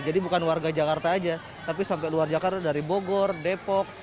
jadi bukan warga jakarta aja tapi sampai luar jakarta dari bogor depok